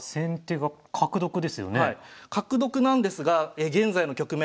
角得なんですが現在の局面